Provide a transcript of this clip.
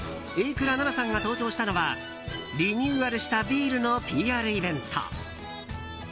榮倉奈々さんが登場したのはリニューアルしたビールのＰＲイベント。